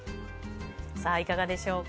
いかがでしょうか？